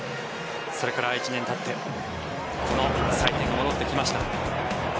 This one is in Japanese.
それから１年たってこの祭典が戻ってきました。